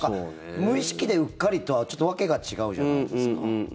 無意識でうっかりとは、ちょっと訳が違うじゃないですか。